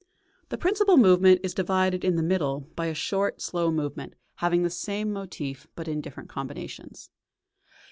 The principal movement is divided in the middle by a short, slow movement, having the same motif, but in different combinations.